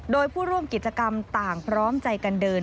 โดยผู้ร่วมกิจกรรมต่างพร้อมใจกันเดิน